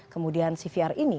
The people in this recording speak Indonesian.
kemudian cvr ini